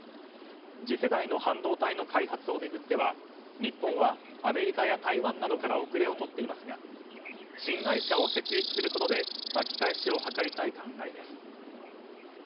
次世代の半導体の開発を巡っては日本はアメリカや台湾などから後れをとっていますが新会社を設立することで巻き返しを図りたい考えです。